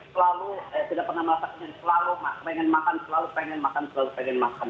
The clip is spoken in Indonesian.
selalu tidak pernah merasa pengen selalu pengen makan selalu pengen makan selalu pengen makan